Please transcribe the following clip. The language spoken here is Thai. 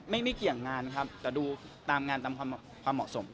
ไม่เกี่ยงงานครับแต่ดูตามงานตามความเหมาะสม